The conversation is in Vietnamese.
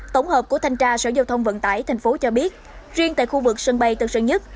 tổng hợp của thanh tra sở giao thông vận tải tp hcm cho biết riêng tại khu vực sân bay tân sơn nhất